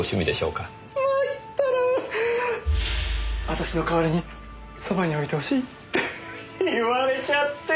私の代わりにそばに置いてほしいって言われちゃって！